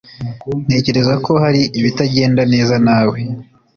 ntekereza ko hari ibitagenda neza nawe